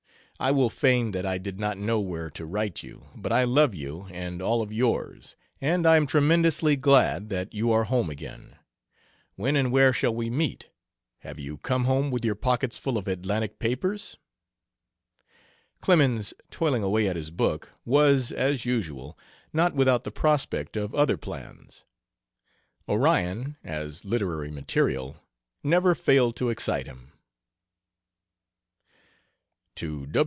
I will feign that I did not know where to write you; but I love you and all of yours, and I am tremendously glad that you are home again. When and where shall we meet? Have you come home with your pockets full of Atlantic papers?" Clemens, toiling away at his book, was, as usual, not without the prospect of other plans. Orion, as literary material, never failed to excite him.